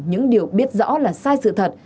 những điều biết rõ là sai sự thật